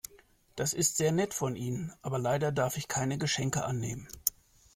Das ist sehr nett von Ihnen, aber leider darf ich keine Geschenke annehmen.